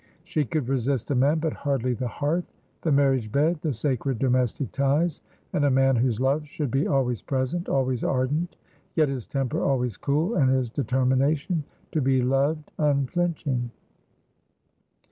She could resist a man, but hardly the hearth, the marriage bed, the sacred domestic ties, and a man whose love should be always present, always ardent, yet his temper always cool, and his determination to be loved unflinching.